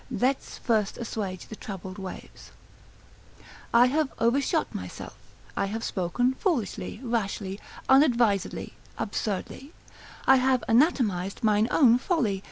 ———let's first assuage the troubled waves I have overshot myself, I have spoken foolishly, rashly, unadvisedly, absurdly, I have anatomised mine own folly.